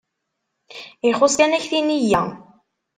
Ixuṣṣ kan ad k-tini yya.